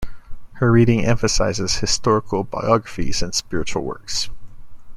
Her reading emphasizes historical biographies and spiritual works.